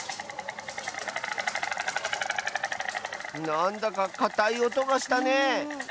なんだかかたいおとがしたね。